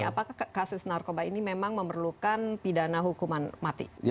apakah kasus narkoba ini memang memerlukan pidana hukuman mati